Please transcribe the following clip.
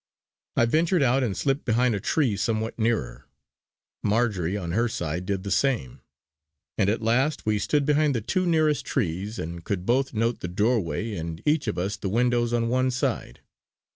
I ventured out and slipped behind a tree somewhat nearer; Marjory on her side did the same, and at last we stood behind the two nearest trees and could both note the doorway and each of us the windows on one side.